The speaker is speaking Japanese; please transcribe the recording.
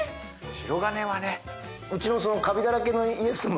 白金はね。